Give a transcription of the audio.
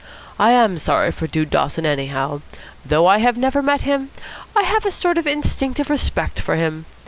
I am sorry for Dude Dawson, anyhow. Though I have never met him, I have a sort of instinctive respect for him.